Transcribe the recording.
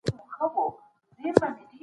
بهرنی سیاست د هیواد لپاره نوې دروازې پرانیزي.